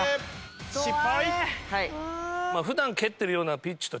失敗。